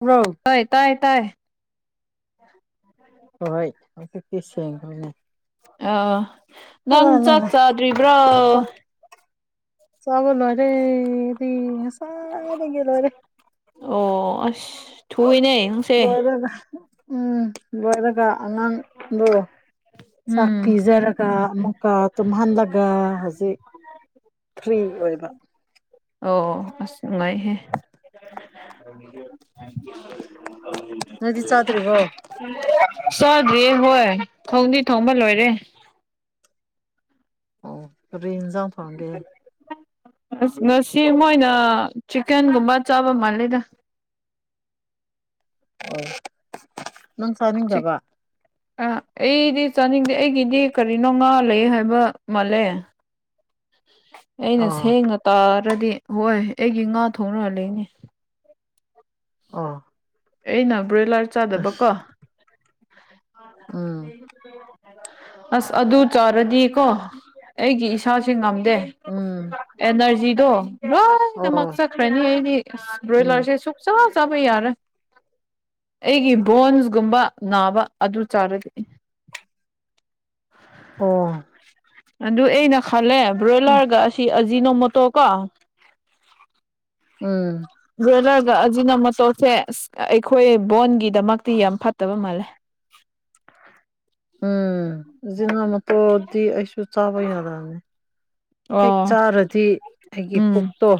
bro ꯍꯣꯏ ꯇꯥꯏ ꯇꯥꯏ ꯍꯣꯏꯣꯏ ꯑꯗꯨ ꯀꯤꯁ ꯁꯅꯦ ꯑ ꯉꯪ ꯆꯥꯛ ꯆꯥꯗ꯭ꯔꯤꯕ꯭ꯔꯣ ꯆꯥꯎꯕꯂꯣꯔꯦꯗꯤ ꯑꯣ ꯑ ꯊꯨꯏꯅꯦ ꯅꯪꯁꯦ ꯂꯣꯏꯗꯒ ꯎꯝ ꯂꯣꯏꯔꯒ ꯑꯉꯥꯡꯕꯨ ꯆꯥꯛ ꯎꯝ ꯄꯤꯖꯔꯒ ꯑꯃꯨꯛ ꯀꯥ ꯇꯨꯝꯍꯜꯂꯒ ꯍꯧꯖꯤꯛ ꯐ꯭ꯔꯤ ꯑꯣꯏꯕ ꯑꯣ ꯑ ꯎꯨꯡꯉꯥꯏꯍꯦ ꯊꯦꯡꯌꯨ ꯅꯣꯏꯗꯤ ꯆꯥꯗ꯭ꯔꯤꯕꯣ ꯆꯥꯗ꯭ꯔꯤ ꯍꯣꯏ ꯊꯣꯡꯗꯤ ꯊꯣꯡꯕ ꯂꯣꯏꯔꯦ ꯑꯣ ꯐꯔꯤꯟꯖꯥꯡ ꯐꯥꯡꯒꯦ ꯑ ꯉꯁꯤ ꯃꯣꯏꯅ ꯆꯤꯛꯀꯟꯒꯨꯝꯕ ꯆꯥꯕ ꯃꯥꯜꯂꯤꯗ [unintelligible] ꯑꯣ ꯅꯪ ꯆꯤꯛ ꯆꯥꯅꯤꯡꯗꯕ ꯑ ꯑꯩꯗꯤ ꯆꯥꯅꯤꯡꯗꯦ ꯑꯩꯒꯤꯗꯤ ꯀꯔꯤꯅꯣ ꯉꯥ ꯂꯩ ꯍꯥꯏꯕ ꯃꯥꯜꯂꯦ ꯑꯩꯅ ꯑꯣ ꯁꯦꯡꯅ ꯇꯥꯔꯗꯤ ꯍꯣꯏ ꯑꯩꯒꯤ ꯉꯥ ꯊꯣꯡꯅꯔ ꯂꯩꯅꯦ ꯑꯥ ꯑꯩꯅ ꯕ꯭ꯔꯣꯏꯂꯔ ꯆꯥꯗꯕꯀꯣ ꯑ ꯎꯝ ꯂꯩ ꯑꯁ ꯑꯗꯨ ꯆꯥꯔꯗꯤꯀꯣ ꯑꯩꯒꯤ ꯏꯁꯥꯁꯦ ꯉꯥꯃꯤ ꯗꯦ ꯎꯝ ꯑꯦꯅꯔꯖꯤꯗꯣ ꯑꯣ ꯂꯣꯏꯅꯃꯛꯛ ꯆꯠꯈ꯭ꯔꯦꯅꯤꯅꯤ ꯎꯝ ꯕꯣꯏꯂꯔꯁꯦ ꯁꯨꯛꯆꯥ ꯆꯕꯩ ꯌꯥꯔꯦ ꯑꯩꯒꯤ ꯕꯣꯟꯁꯒꯨꯝꯕ ꯅꯥꯕ ꯑꯗꯨ ꯆꯥꯔꯒ ꯑꯣ ꯑꯗꯨ ꯑꯩꯅ ꯈꯜꯂꯦ ꯎꯝ ꯕ꯭ꯔꯣꯏꯂꯔꯒ ꯑꯁꯤ ꯑꯖꯤꯅꯣꯃꯣꯇꯣ ꯀꯣ ꯎꯝ ꯇ꯭ꯔꯦꯂꯔꯒ ꯑꯁꯤꯅ ꯃꯣꯇꯣꯔꯁꯦ ꯑꯩꯈꯣꯏ ꯕꯣꯟꯒꯤꯗꯃꯛꯇꯤ ꯌꯥꯝ ꯐꯠꯇꯕ ꯃꯥꯜꯂꯦ [unintelligible] ꯎꯝ ꯅꯥ ꯃꯇꯣꯔꯗꯤ ꯑꯩꯁꯨ ꯆꯥꯕꯩꯅꯔꯅꯤ ꯍꯦꯛ ꯑꯣ ꯆꯥꯔꯗꯤ ꯑꯩꯒꯤ ꯎꯝ ꯄꯨꯛꯇꯣ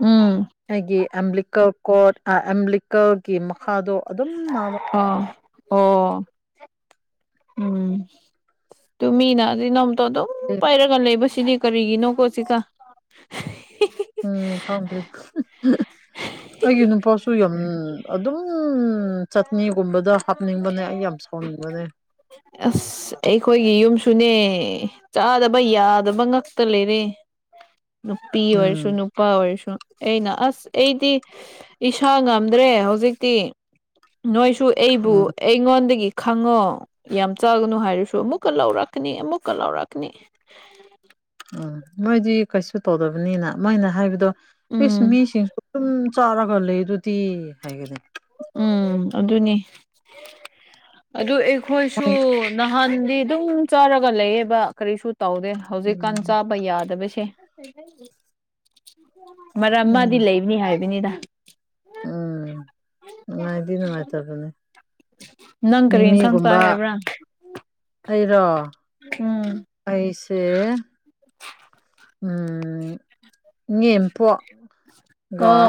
ꯎꯝ ꯑꯩꯒꯤ ꯑꯦꯝ꯭ꯂꯤꯀꯔ ꯀꯣꯔꯣꯠ ꯑꯦꯝꯂꯤꯀꯔꯒꯤ ꯃꯈꯥꯗꯣ ꯑꯗꯨꯝ ꯅꯥꯕ ꯑꯥ ꯑꯣ ꯎꯝ ꯑꯗꯨ ꯃꯤꯅ ꯏꯅꯣꯝꯇꯣ ꯑꯗꯨꯝ ꯄꯥꯏꯔꯒ ꯂꯩꯕꯁ ꯁꯤꯅꯦ ꯀꯔꯤꯒꯤꯅꯣꯀꯣ ꯁꯤꯒ ꯎꯝ ꯈꯥꯎꯗꯔꯤ ꯑꯩꯒꯤ ꯅꯨꯄꯥꯁꯨ ꯌꯥꯝ ꯑꯗꯨꯝ ꯎꯝ ꯆꯠꯅꯤꯒꯨꯝꯕꯗꯣ ꯍꯥꯞꯅꯤꯡꯕꯅꯦ ꯑꯩ ꯌꯥꯝ ꯁꯥꯎꯅꯤꯡꯕꯅꯦ ꯑꯁ ꯑꯩꯈꯣꯏꯒꯤ ꯌꯨꯝꯁꯨꯅꯦ ꯆꯥꯗꯕ ꯌꯥꯗꯕ ꯉꯇ ꯂꯩꯔꯦ ꯅꯨꯄꯤ ꯎꯝ ꯑꯣꯏꯔꯁꯨ ꯅꯨꯄꯥ ꯑꯣꯏꯔꯁꯨ ꯑꯩꯅ ꯑꯁ ꯑꯩꯗꯤ ꯏꯁꯥ ꯉꯝꯗ꯭ꯔꯦ ꯍꯧꯖꯤꯛꯇꯤ ꯅꯣꯏ ꯁꯨ ꯑꯩꯕꯨ ꯎꯝ ꯑꯩꯉꯣꯟꯗꯒꯤ ꯈꯪꯉꯣ ꯌꯥꯝ ꯆꯥꯒꯅꯨ ꯍꯥꯏꯔꯁꯨ ꯑꯃꯨꯛꯀ ꯂꯧꯔꯛꯀꯅꯤ ꯑꯃꯨꯛꯀ ꯂꯧꯔꯛꯀꯅꯤ ꯎꯝ ꯃꯣꯏꯗꯤ ꯀꯩꯁꯨ ꯇꯧꯗꯕꯅꯤꯅ ꯃꯣꯏꯅ ꯍꯥꯏꯕꯗꯣ ꯏꯁ ꯎꯝ ꯃꯤꯁꯤꯡꯁꯨ ꯑꯗꯨ ꯆꯥꯔ ꯂꯩ ꯑꯗꯨꯗꯤ ꯍꯥꯏꯒꯗ ꯎꯝ ꯑꯗꯨꯅꯤ ꯑꯗꯨ ꯑꯩꯈꯣꯏꯁꯨ ꯍꯣꯏ ꯅꯍꯥꯟꯗꯤ ꯑꯗꯨꯝ ꯆꯥꯔꯒ ꯂꯩꯌꯦꯕ ꯀꯔꯤꯁꯨ ꯇꯧꯔꯦ ꯍꯧꯖꯤꯛꯀꯥꯟ ꯎꯝ ꯆꯥꯕ ꯌꯥꯗꯕꯁꯦ ꯃꯔꯝ ꯎꯝ ꯑꯃꯗꯤꯗꯤ ꯂꯩꯕꯅꯤ ꯍꯥꯏꯕꯅꯤꯗ ꯎꯝ ꯅꯨꯡꯉꯥꯏꯗꯤ ꯅꯨꯡꯉꯥꯏꯇꯕꯅꯦ ꯅꯪ ꯀꯔꯤ ꯏꯟꯁꯪ ꯆꯥꯏ ꯃꯤꯃꯤꯒꯨꯝꯕ ꯍꯥꯏꯕ꯭ꯔꯥ ꯑꯩꯔꯣ ꯎꯝ ꯑꯩꯁꯦ ꯎ ꯏ ꯏꯦꯝꯄꯒ ꯑꯣ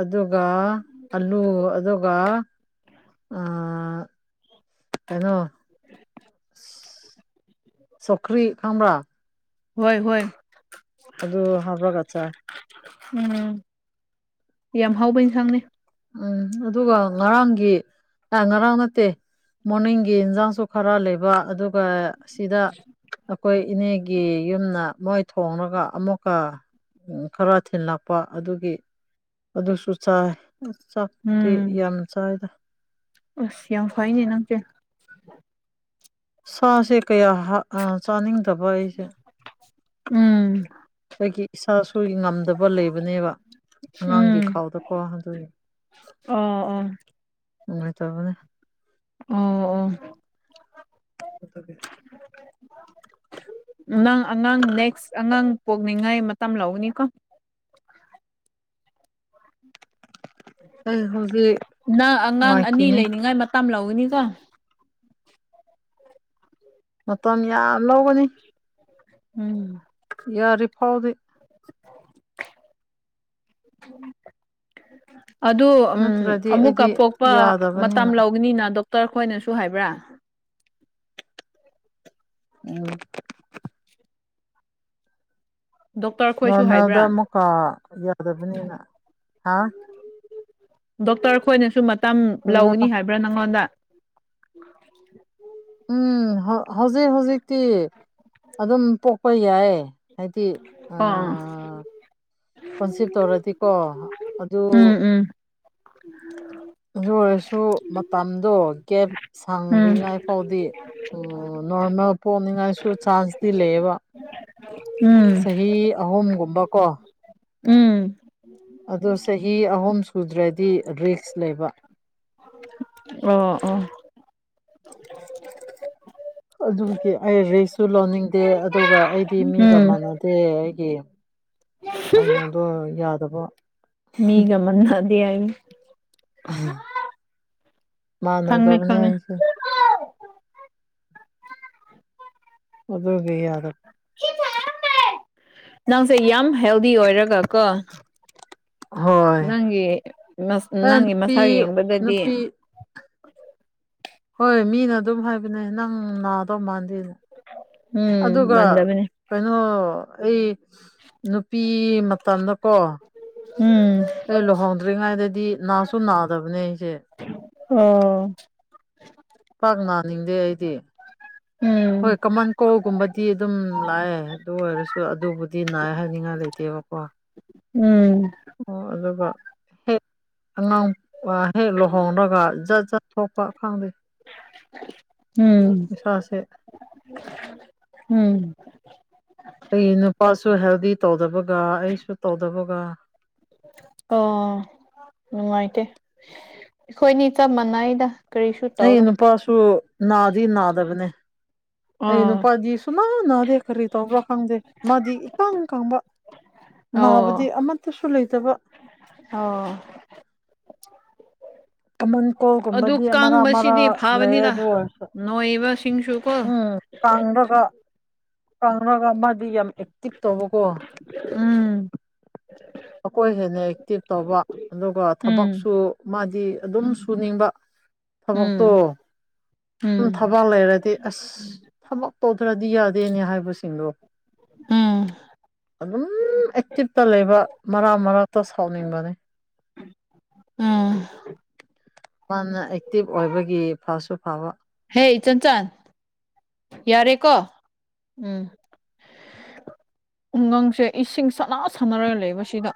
ꯑꯗꯨꯒ ꯑꯂꯨ ꯑꯗꯨꯒ ꯀꯩꯅꯣ ꯁꯈ꯭ꯔꯤ ꯈꯝꯔꯥ ꯍꯣꯏ ꯍꯣꯏ ꯑꯗꯨ ꯑꯗꯨ ꯍꯥꯕ꯭ꯔꯒꯆꯥ ꯎꯝ ꯌꯥꯝ ꯍꯥꯎꯕ ꯏꯟꯁꯥꯡꯅꯤ ꯎꯝ ꯑꯗꯨꯒ ꯉꯔꯥꯡꯒꯤ ꯑ ꯉꯔꯥꯡ ꯅꯠꯇꯦ ꯃꯣꯔꯅꯤꯡꯒꯤ ꯏꯟꯁꯥꯡꯁꯨ ꯈꯔ ꯂꯩꯕ ꯑꯗꯨꯒ ꯁꯤꯗ ꯑꯩꯈꯣꯏ ꯏꯅꯦꯒꯤ ꯌꯨꯝꯗ ꯃꯣꯏ ꯊꯣꯡꯂꯒ ꯑꯃꯨꯛꯀ ꯈꯔ ꯊꯤꯂꯛꯄ ꯑꯗꯨꯒꯤ ꯑꯗꯨꯁꯨ ꯆꯥꯏ ꯆꯛꯇꯇꯤ ꯌꯥꯝꯅ ꯆꯗ ꯑꯁꯤ ꯌꯥꯝ ꯐꯥꯏꯅꯦꯅꯪ ꯀ ꯁꯥꯁꯦ ꯀꯌꯥ ꯆꯥꯅꯤꯡꯗꯕ ꯑꯩꯁꯦ ꯎꯝ ꯇꯗꯒꯤ ꯁꯥꯁꯨꯏ ꯉꯝꯗꯕ ꯂꯩꯕꯅꯦꯕ ꯑꯉꯥꯡꯒꯤ ꯎꯝ ꯈꯥꯎꯗꯀꯣ ꯍꯗꯣꯛꯏ ꯑꯥ ꯎꯅꯨꯡꯣꯏ ꯇꯕꯅꯦ ꯑ ꯑ ꯀꯠꯇꯒꯦ [unintelligible] ꯅꯪ ꯑꯉꯥꯡ ꯅꯦꯛꯁ ꯑꯉꯥꯡ ꯄꯣꯛꯅꯤꯡꯉꯥꯏ ꯃꯇꯝ ꯂꯧꯒꯅꯤꯀꯣ [unintelligible] ꯑꯩ ꯍꯧꯖꯤꯛ ꯅꯪ ꯑꯉꯥꯡ ꯑꯅꯤ ꯉꯥꯏꯈꯤꯅꯤ ꯂꯩꯅꯤꯡꯉꯥꯏ ꯃꯇꯝ ꯂꯧꯒꯅꯤꯀꯣ ꯃꯇꯝ ꯌꯥꯝ ꯂꯧꯒꯅꯤ ꯎꯝ ꯌꯥꯔꯤ ꯐꯥꯎꯗꯤ ꯎꯝ ꯑꯗꯨ ꯅꯠꯇ꯭ꯔꯗꯤ ꯑꯃꯨꯛꯀ ꯑꯩꯗꯤ ꯄꯣꯛꯄ ꯃꯇꯝ ꯌꯥꯗꯕꯅꯤꯅ ꯂꯧꯒꯅꯤꯅ ꯗ ꯗꯣꯛꯇꯔ ꯈꯣꯏꯅꯁꯨ ꯍꯥꯏꯕ꯭ꯔꯥ ꯎꯝ ꯗꯣꯛꯇꯔ ꯈꯣꯏꯁꯨ ꯅꯣꯔꯃꯦꯜꯗ ꯍꯥꯏꯕ꯭ꯔꯥ ꯑꯃꯨꯛꯀꯥ ꯌꯥꯗꯕꯅꯤꯅ ꯍꯥ ꯗꯣꯛꯇꯔ ꯈꯣꯏꯅꯁꯨ ꯃꯇꯝ ꯀꯔꯤ ꯂꯧꯒꯅꯤ ꯍꯥꯏꯕ ꯍꯥꯏꯕ꯭ꯔꯥ ꯅꯪꯉꯣꯟꯗ ꯎ [unintelligible] ꯎꯝ ꯍꯧꯖꯤꯛ ꯍꯧꯖꯤꯛꯇꯤ ꯑꯗꯨꯝ ꯄꯣꯛꯄ ꯌꯥꯏ ꯍꯥꯏꯗꯤ ꯑ ꯑꯥ ꯀꯣꯟꯁꯤꯞ ꯇꯧꯔꯗꯤꯀꯣ ꯑꯗꯨ ꯎꯝ ꯎꯝ ꯑꯗꯨ ꯑꯣꯏꯔꯁꯨ ꯃꯇꯝꯗꯣ ꯒꯦꯞ ꯎꯝ ꯁꯥꯡꯗ꯭ꯔꯤꯉꯥꯏ ꯐꯥꯎꯗꯤ ꯑꯣ ꯅꯣꯔꯃꯦꯜ ꯄꯣꯛꯅꯤꯡꯉꯥꯏꯁꯨ ꯆꯥꯟꯁꯇꯤ ꯂꯩꯌꯦꯕ ꯎꯝ ꯑꯍꯨꯝꯒꯨꯝꯕꯀꯣ ꯎꯝ ꯑꯗꯣ ꯆꯍꯤ ꯑꯍꯨꯝ ꯁꯨꯗ꯭ꯔꯗꯤ ꯔꯤꯛꯁ ꯂꯩꯕ ꯑꯣ ꯑꯣ ꯑꯗꯨꯒꯤ ꯑꯩ ꯔꯤꯁꯁꯨ ꯂꯧꯅꯤꯡꯗꯦ ꯑꯗꯨꯒ ꯑꯩꯗꯤ ꯃꯤꯒ ꯎꯝ ꯃꯥꯟꯅꯗꯦ ꯑꯩꯒꯤ ꯀꯩꯅꯣꯗꯣ ꯌꯥꯗꯕ ꯁꯤ ꯌꯥ [unintelligible] ꯑꯍꯥ ꯈꯪꯉꯦ ꯃꯅꯗꯕꯅꯦ ꯈꯪꯉꯦ ꯑꯩꯁꯦ ꯑꯗꯨꯒꯤ ꯌꯥꯗ [unintelligible] ꯅꯪꯁꯦ ꯌꯥꯝ ꯍꯦꯜꯗꯤ ꯑꯣꯏꯔꯒ ꯀꯣ ꯍꯣꯏ ꯅꯪꯒꯤ ꯃꯁ ꯑꯦ ꯅꯪꯒꯤ ꯅꯨꯄꯤ ꯃꯁꯥ ꯌꯦꯡꯕꯗꯗꯤ ꯅꯨꯄꯤ ꯍꯣꯏ ꯃꯤꯅ ꯑꯗꯨꯝ ꯍꯥꯏꯕꯅꯦ ꯅꯪ ꯅꯥꯗꯧ ꯃꯥꯟꯗꯦꯅꯦ ꯎꯝ ꯑꯗꯨꯒ ꯃꯥꯟꯗꯕꯅꯦ ꯀꯩꯅꯣ ꯑꯩ ꯅꯨꯄꯤ ꯃꯇꯝꯗꯀꯣ ꯎꯝ ꯑꯩ ꯂꯨꯍꯣꯡꯗ꯭ꯔꯤꯉꯩꯗꯗꯤ ꯅꯥꯁꯨ ꯅꯥꯗꯕꯅꯦ ꯑꯩꯁꯦ ꯑꯣ ꯄꯥꯛ ꯅꯥꯅꯤꯡꯗꯦ ꯑꯩꯗꯤ ꯎꯝ ꯍꯣꯏ ꯀꯃꯟ ꯀꯣꯜꯒꯨꯝꯕꯗꯤ ꯑꯗꯨꯝ ꯂꯥꯛꯑꯦ ꯑꯗꯨ ꯑꯣꯏꯔꯁꯨ ꯑꯗꯨꯕꯨꯗꯤ ꯅꯥꯑꯦ ꯍꯥꯏꯅꯤꯡꯉꯥꯏ ꯂꯩꯇꯦꯕꯀꯣ ꯋꯥ ꯎꯝ ꯑꯣ ꯑꯗꯨꯒ ꯍꯦꯛ ꯑꯉꯥꯡ ꯍꯦꯛ ꯂꯨꯍꯣꯡꯔꯒ ꯖꯠ ꯖꯠ ꯊꯣꯛꯄ ꯈꯪꯗꯦ ꯎꯝ ꯏꯁꯥꯁꯦ ꯎꯝ ꯑꯩꯒꯤ ꯅꯨꯄꯥꯁꯨ ꯍꯦꯜꯗꯤ ꯇꯧꯗꯕꯒ ꯑꯩꯁꯨ ꯇꯧꯗꯕꯒ ꯑꯣ ꯅꯨꯡꯉꯥꯏꯇꯦ ꯑꯩꯈꯣꯏꯅꯤ ꯆꯞ ꯃꯥꯟꯅꯩꯗ ꯀꯔꯤꯁꯨ ꯑꯩ ꯇꯧꯔꯣꯏ ꯅꯨꯄꯥꯁꯨ ꯅꯥꯗꯤ ꯅꯥꯗꯕꯅꯦ ꯑꯩ ꯑꯣ ꯅꯨꯄꯥꯗꯤ ꯁꯨꯅꯥ ꯅꯥꯗꯦ ꯀꯔꯤ ꯇꯧꯕ꯭ꯔꯥ ꯈꯪꯗꯦ ꯃꯥꯗꯤ ꯏꯀꯪ ꯀꯪꯕ ꯅꯥꯕꯗꯤ ꯑꯣ ꯑꯃꯠꯇꯁꯨ ꯂꯩꯇꯕ ꯑꯣ ꯀꯝꯃꯟ ꯑꯗꯨ ꯀꯣꯜꯒꯨꯝꯕꯗꯤ ꯑꯃꯔꯥ ꯑꯃꯔꯥ ꯀꯪꯕꯁꯤꯗꯤ ꯂꯩꯌꯦ ꯐꯕꯅꯤꯗ ꯑꯗꯨ ꯑꯣꯏꯔꯁꯨ ꯅꯣꯏꯕꯁꯤꯡꯁꯨ ꯀꯣ ꯎꯝ ꯀꯪꯔꯒ ꯀꯥꯡꯒꯝꯕꯗꯤ ꯌꯥꯝ ꯑꯦꯀꯤꯤꯞ ꯇꯧꯕꯀꯣ ꯎꯝ ꯑꯩꯀꯣꯏ ꯍꯦꯟꯅ ꯑꯦꯛꯇꯤꯚ ꯇꯧꯕ ꯑꯗꯨꯒ ꯎꯝ ꯊꯕꯛꯁꯨ ꯃꯥꯗꯤ ꯑꯗꯨꯝ ꯁꯨꯅꯤꯡꯕ ꯊꯕꯛꯇꯣ ꯎꯝ ꯁꯝ ꯎꯝ ꯊꯕꯛ ꯂꯩꯔꯗꯤ ꯑꯁ ꯊꯕꯛ ꯇꯧꯗ꯭ꯔꯗꯤ ꯌꯥꯗ ꯗꯅꯦ ꯍꯥꯏꯕꯁꯤꯡꯗꯣ ꯎꯝ ꯑꯗꯨꯝ ꯑꯦꯛꯇꯤꯞꯇ ꯂꯩꯕ ꯃꯔꯛ ꯃꯔꯛꯇ ꯁꯥꯎꯅꯤꯡꯕꯅꯤ ꯎꯝ ꯃꯥꯅ ꯑꯦꯛꯇꯤꯚ ꯑꯣꯏꯕꯒꯤ ꯐꯁꯨ ꯐꯕ ꯍ ꯆꯟꯆꯥꯟ ꯌꯥꯔꯦ ꯀꯣ ꯎꯝ ꯎꯨꯡꯒꯪꯁꯦ ꯏꯁꯤꯡ ꯁꯅꯥ ꯁꯥꯟꯅꯔꯒ ꯂꯩꯕꯁꯤꯗ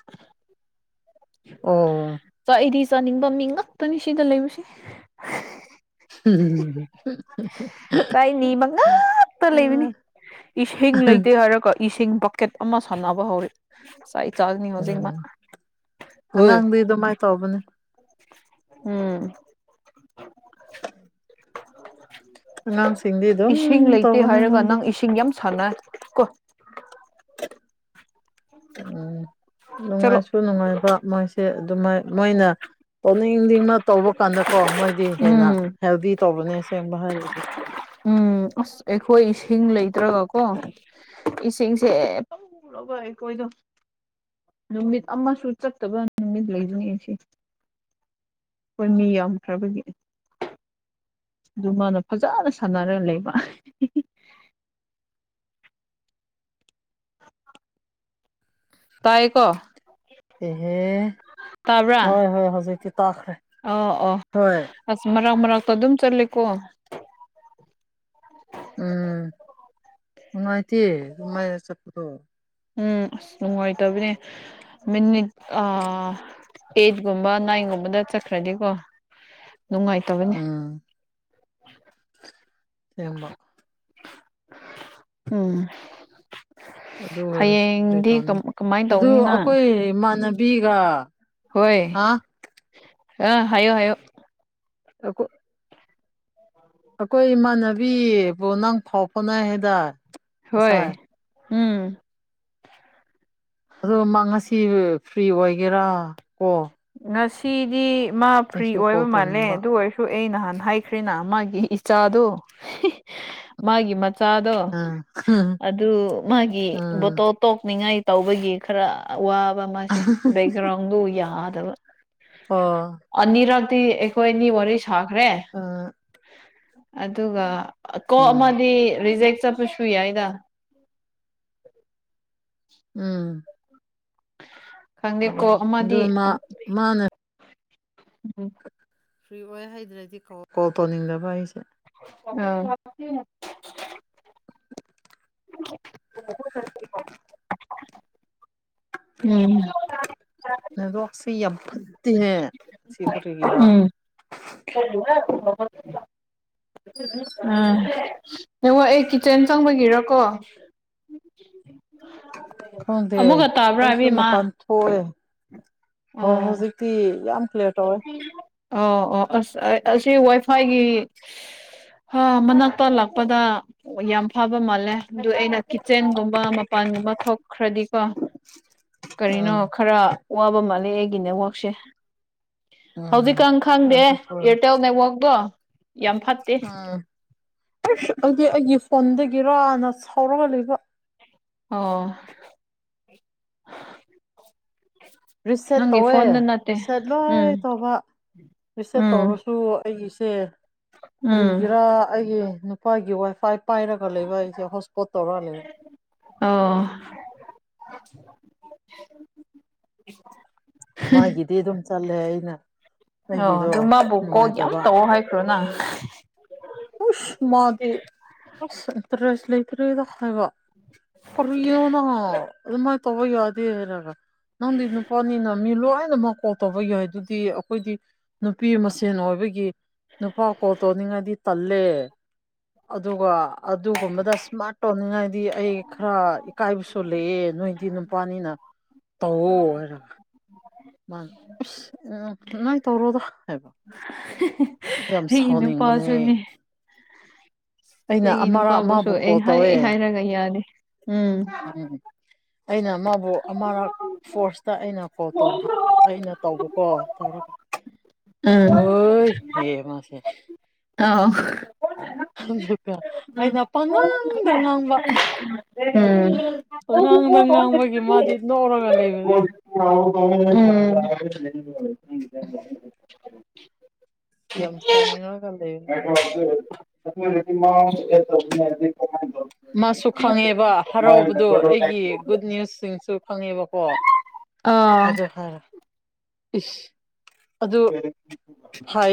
ꯑꯣ ꯆꯥꯛ ꯑꯩꯗꯤ ꯆꯥꯅꯤꯡꯕ ꯃꯤ ꯉꯥꯛꯇꯅꯤ ꯁꯤꯗ ꯂꯩꯔꯨꯁꯦ ꯎꯝ ꯆꯥꯏꯅꯤ ꯃꯉꯥꯛꯛꯇ ꯂꯩꯕꯅꯤ ꯎꯝ ꯏꯁꯤꯡ ꯂꯩꯇꯦ ꯍꯥꯏꯔꯣꯀꯣꯁꯤꯡ ꯄꯣꯀꯦꯠ ꯑꯃ ꯁꯥꯟꯅꯕ ꯍꯧꯔ ꯆꯅꯤ ꯍꯧꯖꯤꯛ ꯃꯥ ꯍꯣꯏ ꯑꯉꯥꯡꯗꯤ ꯑꯗꯨꯃꯥꯏꯅ ꯇꯧꯕꯅꯦ ꯎꯝ ꯑꯉꯥꯡꯁꯤꯡꯗꯤ ꯑꯗꯨꯝ ꯏꯁꯤꯡ ꯂꯩꯇꯦ ꯇꯧꯕꯅꯦ ꯍꯥꯏꯔꯒ ꯃꯣꯏꯗꯤ ꯅꯪ ꯏꯁꯤꯡ ꯌꯥꯝ ꯁꯥꯟꯅ ꯀꯣ [unintelligible] ꯎꯝ ꯆꯠꯂꯣ ꯅꯨꯡꯉꯥꯏꯁꯨ ꯅꯨꯡꯉꯥꯏꯕ ꯃꯣꯏꯁꯦ ꯑꯗꯨꯃꯥꯏ ꯃꯣꯏꯅ ꯇꯣꯅꯤꯡꯗꯤꯃ ꯇꯧꯕ ꯀꯥꯟꯗꯀꯣ ꯃꯣꯏꯗꯤ ꯍꯦꯟꯅ ꯎꯝ ꯍꯦꯜꯗꯤ ꯇꯧꯕꯅꯦ ꯁꯦꯡꯕ ꯍꯥꯏꯔꯗꯤ ꯎꯝ ꯑꯁ ꯑꯩꯈꯣꯏ ꯏꯁꯤꯡ ꯂꯩꯇ꯭ꯔꯒꯀꯣ ꯏꯁꯤꯡꯁꯦ ꯄꯨꯔꯒ ꯑꯩꯈꯣꯏꯗꯣ ꯅꯨꯃꯤꯠ ꯑꯃꯁꯨ ꯆꯠꯇꯕ ꯅꯨꯃꯤꯠ ꯂꯩꯖꯅꯤꯁꯤ ꯍꯣꯏ ꯃꯤ ꯌꯥꯝꯈ꯭ꯔꯕꯒꯤ ꯑꯗꯨ ꯃꯥꯅ ꯐꯖꯅ ꯁꯥꯟꯅꯔꯒ ꯂꯩꯕ [unintelligible] ꯇꯥꯏꯀꯣ ꯑꯦꯍꯦ ꯇꯥꯕ꯭ꯔꯥ ꯍꯣꯏ ꯍꯣꯏ ꯍꯧꯖꯤꯛꯇꯤ ꯇꯥꯈ꯭ꯔꯦ ꯑ ꯑꯣ ꯍꯣꯏ ꯑꯁ ꯃꯔꯥꯡ ꯃꯔꯥꯡ ꯑꯗꯨꯝ ꯆꯠꯂꯦꯀꯣ ꯎꯝ ꯅꯨꯡꯉꯥꯏꯇꯦ ꯑꯗꯨ ꯃꯥꯏ ꯆꯠꯄꯗꯣ ꯎꯝ ꯑꯁ ꯅꯨꯡꯉꯥꯏꯇꯕꯅꯦ ꯃꯤꯅꯤꯠ ꯑ ꯑꯦꯠꯒꯨꯝꯕ ꯅꯥꯏꯟꯒꯨꯝꯕꯗ ꯆꯠꯈ꯭ꯔꯗꯤꯀꯣ ꯅꯨꯡꯉꯥꯏꯇꯕꯅꯦ ꯎꯝ ꯍꯝꯕ ꯎꯝ ꯑꯗꯨ ꯑꯣꯏꯔꯁꯨ ꯀ ꯍꯌꯦꯡꯗꯤ ꯇꯧꯅꯤ ꯀꯃꯥꯏꯅ ꯑꯗꯨ ꯇꯧꯅꯤ ꯅꯪ ꯑꯩꯈꯣꯏ ꯏꯃꯥꯟꯅꯕꯤꯒ ꯍꯣꯏ ꯍꯥ ꯑ ꯍꯥꯏꯌꯣ ꯍꯥꯏꯌꯣ ꯑꯩꯈꯣꯏ ꯑꯩꯈꯣꯏ ꯏꯃꯥꯟꯅꯕꯤꯕꯨ ꯅꯪ ꯐꯥꯎ ꯐꯥꯎꯅꯩ ꯍꯥꯏꯗ ꯍꯣꯏ ꯎꯝ ꯑꯗꯣ ꯃꯥ ꯉꯁꯤ ꯐ꯭ꯔꯤ ꯑꯣꯏꯒꯦꯔꯥ ꯀꯣ ꯉꯁꯤꯗꯤ ꯃꯥ ꯐ꯭ꯔꯤ ꯑꯩꯁꯨ ꯀꯣꯜ ꯑꯣꯏꯕ ꯃꯥꯜꯂꯦ ꯇꯧꯅꯤꯡꯕ ꯑꯗꯨ ꯑꯣꯏꯔꯁꯨ ꯑꯩ ꯅꯍꯥꯟ ꯍꯥꯏꯈ꯭ꯔꯦꯅ ꯃꯥꯒꯤ ꯏꯆꯥꯗꯣ ꯃꯥꯒꯤ ꯆꯆꯥꯗꯣ ꯎꯝ ꯑꯗꯨ ꯃꯥꯒꯤ ꯎꯝ ꯕꯣꯇꯣ ꯇꯣꯛꯅꯤꯡꯉꯥꯏ ꯇꯧꯕꯒꯤ ꯈꯔ ꯑꯋꯥꯕ ꯃꯥꯁꯦ ꯕꯦꯛꯒ꯭ꯔꯥꯎꯟꯗꯨ ꯌꯥꯗꯕ ꯑꯣ ꯇꯤ ꯑꯩꯈꯣꯏ ꯑꯅꯤ ꯋꯥꯔꯤ ꯁꯥꯈ꯭ꯔꯦ ꯎꯝ ꯑꯗꯨꯒ ꯀꯣ ꯎꯝ ꯑꯃꯗꯤ ꯔꯤꯖꯦꯛ ꯆꯠꯄꯁꯨ ꯌꯥꯏꯗ ꯎꯝ ꯈꯪꯗꯦꯀꯣ ꯑꯗꯨ ꯑꯃꯗꯤ ꯃꯥ ꯃꯥꯅ ꯎꯝ ꯐ꯭ꯔꯤ ꯑꯣꯏ ꯍꯥꯏꯗ꯭ꯔꯗꯤ ꯀꯣꯜ ꯇꯧꯅꯤꯡꯗꯕ ꯑꯩꯁꯦ ꯑꯥ [unintelligible] ꯎꯝ ꯅꯗꯣꯁ ꯌꯥꯝ ꯐꯠꯇꯦꯍ ꯁꯤ ꯈꯔꯤꯒꯤꯔꯥ [unintelligible] ꯅꯡꯉ ꯑꯦ ꯀꯤꯠꯆꯦꯟ ꯆꯪꯕꯒꯤꯔꯀꯣ ꯈꯪꯗꯦ ꯑꯃꯨꯛꯀ ꯇꯥꯕ꯭ꯔꯥ ꯑꯩꯁꯨ ꯃꯄꯥꯟ ꯏꯕꯦꯝꯃ ꯊꯣꯛꯑꯦ ꯍꯣꯏ ꯍꯧꯖꯤꯛꯇꯤ ꯌꯥꯝ ꯀ꯭ꯂꯤꯌꯥꯔ ꯇꯧꯋꯦ ꯑ ꯑꯣ ꯑꯁ ꯑꯁꯤ ꯋꯥꯏꯐꯥꯏꯒꯤ ꯍꯥ ꯃꯅꯥꯛꯇ ꯂꯥꯛꯄꯗ ꯌꯥꯝ ꯐꯕ ꯃꯥꯜꯂꯦ ꯑꯗꯨ ꯑꯩꯅ ꯀꯤꯠꯆꯦꯟꯒꯨꯝꯕ ꯃꯄꯥꯟ ꯨꯝ ꯑꯃ ꯊꯣꯛꯈ꯭ꯔꯗꯤ ꯀꯣ ꯀꯔꯤꯅꯣ ꯎꯝ ꯈꯔ ꯋꯥꯕ ꯃꯥꯂꯦ ꯑꯩꯒꯤ ꯅꯦꯠꯋꯥꯛꯁꯦ ꯎꯝ ꯍꯧꯖꯤꯛꯀ ꯈꯪꯗꯦ ꯑꯗꯨ ꯏꯌꯥꯔꯇꯦꯜ ꯅꯦꯠꯋꯔꯛꯇꯣ ꯎꯝ [unintelligible] ꯄꯣꯟꯗꯒꯤꯔꯥꯅ ꯁꯥꯎꯔꯒ ꯂꯩꯕ ꯑꯣ ꯔꯤꯁꯦꯠ ꯅꯪꯒꯤ ꯇꯧꯋꯦ ꯐꯣꯟꯗ ꯅꯠꯇꯦ ꯔꯤꯁꯦꯠ ꯂꯣꯏ ꯎꯝ ꯇꯧꯕ ꯔꯤꯁꯦꯠ ꯇꯧꯔꯁꯨ ꯑꯩꯒꯤꯁꯦ ꯎ [unintelligible] ꯔꯤꯒꯤꯔꯥ ꯑꯩꯒꯤ ꯅꯨꯄꯥꯒꯤ ꯋꯥꯏꯐꯥꯏ ꯄꯥꯏꯔꯒ ꯂꯩꯕ ꯑꯩꯁꯦ ꯍꯣꯠꯁꯄꯣꯠ ꯇꯧꯔ ꯂꯩꯕ ꯑꯣ ꯃꯥꯒꯤꯗꯤ ꯑꯗꯨꯝ ꯆꯠꯂꯦ ꯑꯩꯅ ꯑꯣ ꯑꯩꯒꯤꯗꯣ ꯑꯗꯨ ꯃꯥꯕꯨ ꯀꯣꯛ ꯌꯥꯝ ꯅꯨꯡꯉꯥꯏꯇꯕ ꯇꯧꯑꯣ ꯍꯥꯏꯈ꯭ꯔꯣ ꯅ ꯄꯨꯁ ꯃꯥꯗꯤꯁ ꯏꯟꯇꯔꯁ ꯂꯩꯇꯔꯦꯗ ꯍꯥꯏꯕ ꯀꯔꯗ ꯑꯗꯨ ꯃꯥ ꯇꯕꯌꯥꯗꯦ ꯔꯒ ꯅꯪꯗꯤ ꯅꯨꯄꯅꯤꯅ ꯃꯤ ꯂꯦꯏꯅꯃꯛ ꯀꯣꯛ ꯇꯧꯕ ꯌꯥꯏ ꯑꯗꯨꯗꯤ ꯑꯩꯈꯣꯏꯗꯤ ꯅꯨꯄꯤ ꯃꯁꯦꯟ ꯑꯣꯏꯕꯒꯤ ꯅꯨꯄꯥꯥꯎ ꯀꯣꯠꯇꯣ ꯅꯤꯡꯉꯥꯏꯗꯤ ꯇꯜꯂꯦ ꯑꯗꯨꯒ ꯑꯗꯨꯒꯨꯝꯕꯗ ꯁꯃꯥꯔꯠ ꯇꯧꯅꯤꯡꯉꯥꯏ ꯑꯩ ꯈꯔ ꯏꯀꯥꯏꯕꯁꯨ ꯂꯩꯑꯦ ꯅꯣꯏꯗꯤ ꯅꯨꯄꯥꯅꯤꯅ ꯇꯧ ꯋꯣ [unintelligible] ꯉꯥꯏ ꯇꯧꯔꯣꯗ ꯍꯥꯏꯕ ꯌꯥꯝ ꯑꯩꯒꯤ ꯁꯥꯎꯅꯤꯡꯕꯅꯦ ꯅꯨꯄꯥꯁꯨꯅꯤ ꯑꯩꯅ ꯑꯩꯒꯤ ꯑꯃꯔꯛ ꯅꯨꯄꯥꯕꯨꯁꯨ ꯑꯃꯕꯨ ꯑꯩ ꯀꯣꯜ ꯇꯧꯋꯦ ꯍꯥꯏ ꯍꯥꯏꯔꯒ ꯌꯥꯗꯦ ꯎꯝ ꯎꯝ ꯑꯩꯅ ꯃꯥꯕꯨ ꯑꯃꯔꯛ ꯐꯣꯔꯁꯇ ꯑꯩꯅ ꯀꯣꯜ ꯇꯧꯔ ꯑꯩꯅ ꯇꯧꯕꯀꯣ ꯇꯧꯔꯒ ꯎꯝ ꯍꯣꯏ ꯍꯌꯦ ꯃꯥꯁꯦ ꯑꯥ ꯑꯗꯨꯒ ꯑꯩꯅ ꯄꯉꯥꯡꯗ ꯉꯥꯡꯕ ꯀ [unintelligible] ꯅꯧ ꯇꯉ ꯂꯩꯕꯅꯦ ꯥꯎ [unintelligible] ꯎ [unintelligible] ꯌꯥꯝ ꯁꯥꯎꯅꯤꯡꯉꯥꯏꯒ ꯂꯩꯕꯅꯦ ꯑꯩꯗꯨꯗ [unintelligible] ꯃꯤ ꯀꯥꯏ ꯃꯥꯁꯨ ꯈꯪꯉꯦꯕ ꯍꯔꯥꯎꯕꯗꯣ ꯑꯩꯒꯤ ꯒꯨꯗ ꯅ꯭ꯤꯌꯨꯁ ꯁꯤꯡꯁꯨ ꯐꯪꯉꯦꯕꯀꯣ ꯑꯥ ꯑꯗꯨ ꯍꯥꯏꯔ ꯑꯗ ꯍꯥꯏ